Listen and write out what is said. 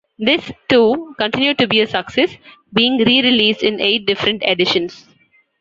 This, too, continued to be a success, being re-released in eight different editions.